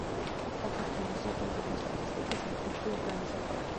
საქართველოს სახელმწიფო სტატისტიკის ერთ-ერთი ორგანიზატორი.